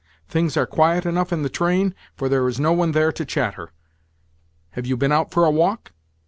Things are quiet enough in the train, for there is no one there to chatter. Have you been out for a walk?"